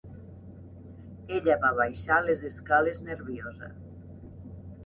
Ella va baixar les escales nerviosa.